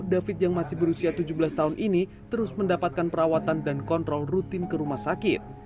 david yang masih berusia tujuh belas tahun ini terus mendapatkan perawatan dan kontrol rutin ke rumah sakit